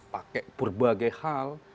pakai berbagai hal